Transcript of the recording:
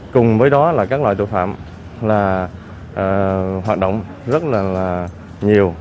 cùng với đó là các loại tội phạm là hoạt động rất là nhiều